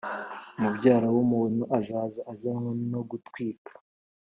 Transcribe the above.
Mubyara w umuntu azaza azanywe no gutwika